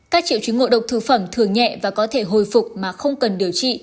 các triệu chứng ngộ độc thực phẩm thường nhẹ và có thể hồi phục mà không cần điều trị